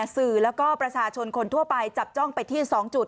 สื่อแล้วก็ประชาชนคนทั่วไปจับจ้องไปที่๒จุด